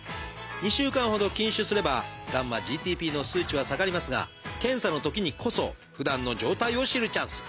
２週間ほど禁酒すればγ−ＧＴＰの数値は下がりますが検査のときにこそふだんの状態を知るチャンス。